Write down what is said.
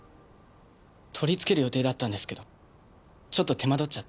取り付ける予定だったんですけどちょっと手間取っちゃって。